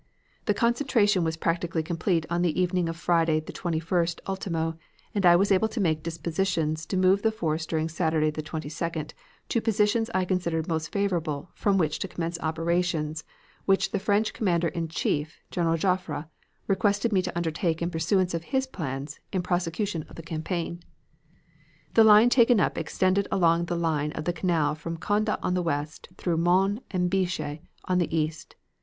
"The concentration was practically complete on the evening of Friday, the 21st ultimo, and I was able to make dispositions to move the force during Saturday, the 22d, to positions I considered most favorable from which to commence operations which the French commander in chief, General Joffre, requested me to undertake in pursuance of his plans in prosecution of the campaign. "The line taken up extended along the line of the canal from Conde on the west, through Mons and Binche on the east.